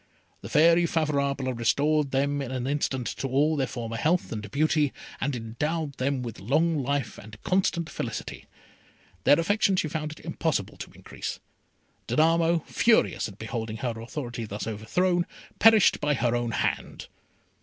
The Fairy Favourable restored them in an instant to all their former health and beauty, and endowed them with long life and constant felicity. Their affection she found it impossible to increase. Danamo, furious at beholding her authority thus overthrown, perished by her own hand.